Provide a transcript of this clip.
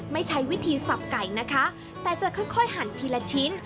ไม่ใช่วิธีสับไก่นะคะแต่จะค่อยค่อยหันทีละชิ้น